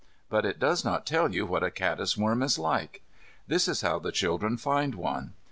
But it does not tell you what a caddisworm is like. This is how the children find one.